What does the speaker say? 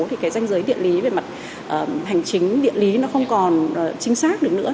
thì danh giới địa lý về mặt hành chính địa lý không còn chính xác được nữa